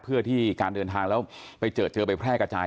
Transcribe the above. เพื่อที่การเดินทางแล้วไปเจอเจอไปแพร่กระจาย